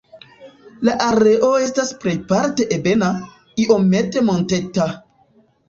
La areo estas plejparte ebena, iomete monteta.